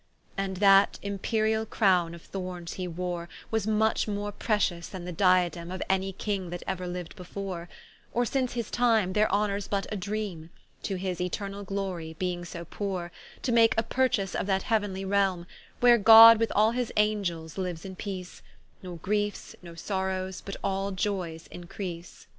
And that Imperiall Crowne of Thornes he wore, Was much more pretious than the Diademe Of any king that euer liu'd before, Or since his time, their honour's but a dreame, To his eternall glorie, being so poore, To make a purchase of that heauenly Realme, Where God with all his Angells liues in peace, No griefes, nor sorrowes, but all joyes increase.